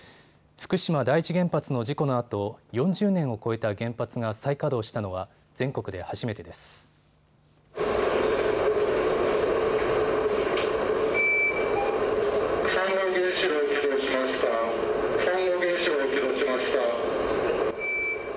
福島第一原発の事故のあと４０年を超えた原発が再稼働したのは全国で初めてです。